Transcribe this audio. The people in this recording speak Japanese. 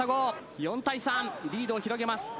４対３、リードを広げます。